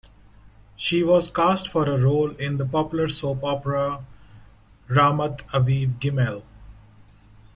She was cast for a role in the popular soap opera "Ramat Aviv Gimmel".